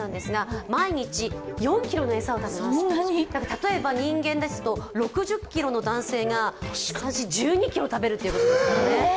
例えば人間ですと６０ｋｇの男性が毎日１２ｋｇ食べるということです。